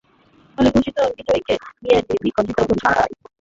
ফলে ঘোষিত বিজয়ীকে নিয়ে বিতর্ক ছড়ায়।